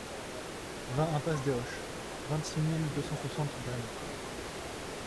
vingt impasse des Oches, vingt-six mille deux cent soixante Bren